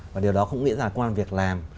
và điều đó cũng nghĩa là quan việc làm